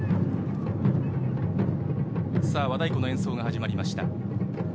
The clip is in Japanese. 和太鼓の演奏が始まりました。